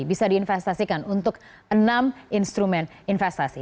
bisa diinvestasikan untuk enam instrumen investasi